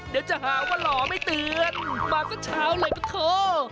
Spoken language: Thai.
เดี๋ยวจะหาว่าหล่อไม่เตือนมาสักเช้าเลยนะเธอ